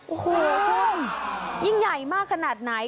โอ้โหคุณยิ่งใหญ่มากขนาดไหน